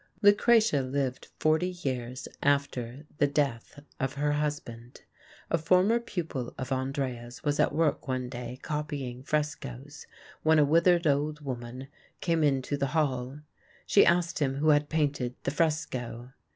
Lucrezia lived forty years after the death of her husband. A former pupil of Andrea's was at work one day copying frescos, when a withered old woman came into the hall. She asked him who had painted the fresco.